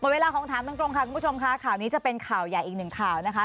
เวลาของถามตรงค่ะคุณผู้ชมค่ะข่าวนี้จะเป็นข่าวใหญ่อีกหนึ่งข่าวนะคะ